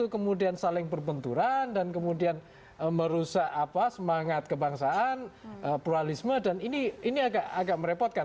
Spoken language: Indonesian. kemudian saling berbenturan dan kemudian merusak semangat kebangsaan pluralisme dan ini agak merepotkan